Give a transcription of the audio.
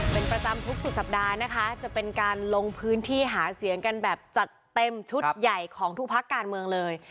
เป็นประจำทุกสุดสัปดาห์นะคะจะเป็นการลงพื้นที่หาเสียงกันแบบจัดเต็มชุดใหญ่ของทุกพักการเมืองเลย